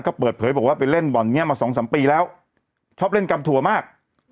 ก็เปิดเผยบอกว่าไปเล่นบ่อนนี้มาสองสามปีแล้วชอบเล่นกำถั่วมาก